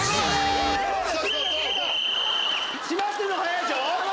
閉まってるのが早いでしょ？